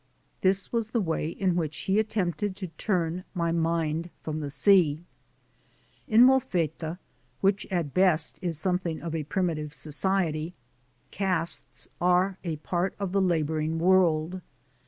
This was the way in which he attempted to turn my mind from the sea. In Molfetta, which at best is somewhat of a primitive society, castes are a part of the laboring world.